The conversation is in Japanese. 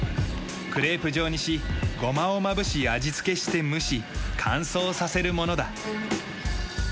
クレープ状にしゴマをまぶし味付けして蒸し乾燥させるものだ。